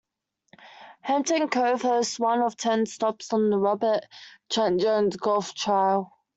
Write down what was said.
Hampton Cove hosts one of ten stops on the Robert Trent Jones Golf Trail.